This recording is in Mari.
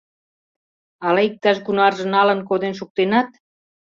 Ала иктаж-кунарже налын коден шуктенат?